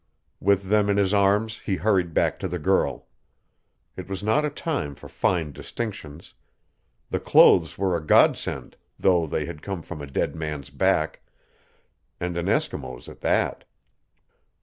With them in his arms he hurried back to the girl. It was not a time for fine distinctions. The clothes were a godsend, though they had come from a dead man's back, and an Eskimo's at that.